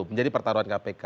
menjadi pertaruhan kpk